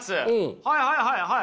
はいはいはいはい。